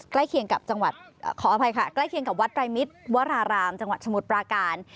ใกล้เคียงกับจังหวัดขออภัยค่ะใกล้เคียงกับวัดไตรมิตรวรารามจังหวัดสมุทรปราการ